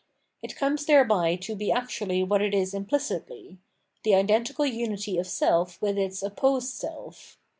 It comes thereby to be actually what it is imphcitly, — the identical unity of self with its opposed self.